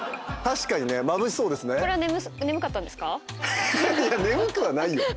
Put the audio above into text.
確かにねまぶしそうですね。